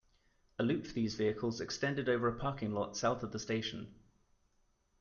A loop for these vehicles extended over a parking lot south of the station.